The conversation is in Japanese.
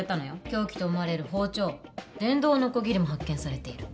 凶器と思われる包丁電動のこぎりも発見されている。